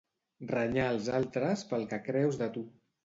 Renyar els altres pel que creus de tu.